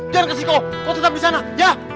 di sana ya